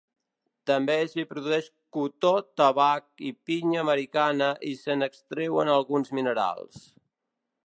També s'hi produïx cotó, tabac i pinya americana i se n'extreuen alguns minerals.